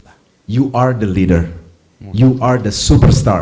anda adalah pemimpin anda adalah superstar